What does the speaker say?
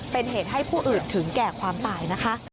เป็นเหตุให้ผู้อื่นถึงแก่ความตายนะคะ